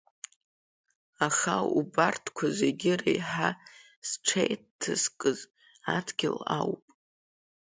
Аха убарҭқәа зегьы реиҳа зҽеиҭазкыз Адгьыл ауп…